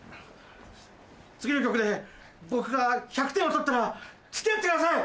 次の曲で僕が１００点を取ったら付き合ってください！